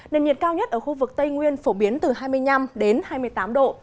nền nhiệt cao nhất ở khu vực tây nguyên phổ biến từ hai mươi năm đến hai mươi tám độ